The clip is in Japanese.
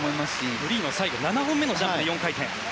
フリーの最後７本目のジャンプで４回転。